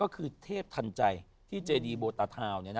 ก็คือเทพทันใจที่เจดีโบตาทาวน์